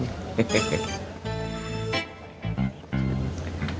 bebek bebek bebek